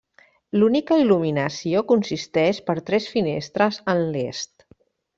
L'única il·luminació consisteix per tres finestres en l'est.